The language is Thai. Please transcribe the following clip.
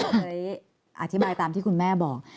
เฮ้ยอธิบายตามที่คุณแม่บอก